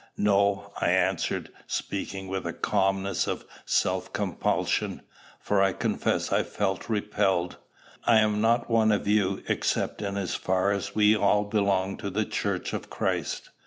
"No," I answered, speaking with the calmness of self compulsion, for I confess I felt repelled: "I am not one of you, except in as far as we all belong to the church of Christ."